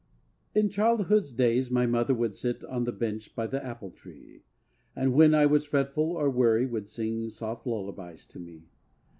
In childhood's days my mother would sit On the bench by the apple tree, And when I was fretful or weary would sing Soft lullabies to me.